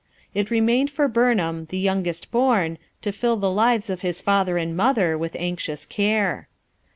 It remained for Burn ham, the youngest born, to fill the lives of his father and mother with anxious care.